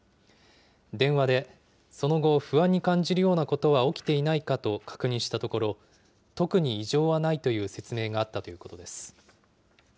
電話でその後、不安に感じるようなことは起きていないかと確認したところ、特に異常はないという説明があったということです。